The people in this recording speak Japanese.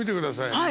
はい。